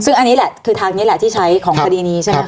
ซึ่งอันนี้แหละคือทางนี้แหละที่ใช้ของคดีนี้ใช่ไหม